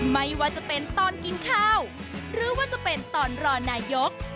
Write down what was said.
ไม่ว่าจะเป็นตอนกินข้าวหรือว่าจะเป็นตอนรอนายก